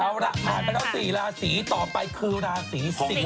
เอาล่ะผ่านไปแล้ว๔ราศีต่อไปคือราศีสิง